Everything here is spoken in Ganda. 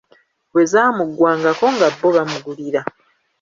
Bwe zaamuggwangako nga bo bamugulira.